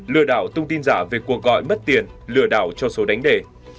lừa đảo thông tin giả về cuộc gọi mất tiền lừa đảo cho số đánh đề